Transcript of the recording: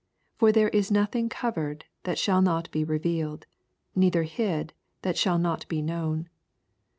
2 For there is notliing covered, that shall not be revealed ; neither hid, that shall not be known.